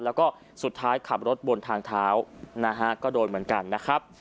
แล้วก็สุดท้ายขับรถบนทางเท้านะฮะก็โดนเหมือนกันนะครับ